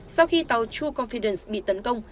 sau khi tàu true confidence bị tấn công